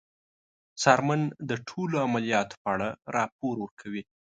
څارمن د ټولو عملیاتو په اړه راپور ورکوي.